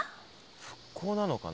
復興なのかな？